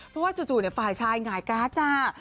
เพราะว่าจู่ฝ่ายชายหงายการ์ดจ้า